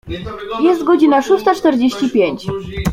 Jest godzina szósta czterdzieści pięć.